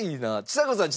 ちさ子さん